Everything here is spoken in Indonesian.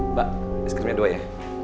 mbak es krimnya dua ya